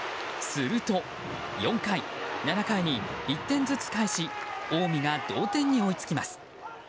すると４回、７回に１点ずつ返し近江が同点に追いつきます。